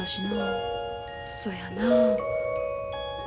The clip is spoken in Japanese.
そやなあ。